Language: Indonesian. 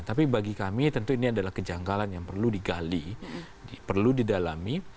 tapi bagi kami tentu ini adalah kejanggalan yang perlu digali perlu didalami